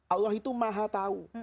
allah itu maha tau